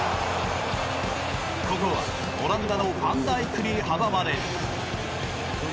ここはオランダのファンダイクに阻まれる。